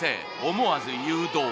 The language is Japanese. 思わず誘導。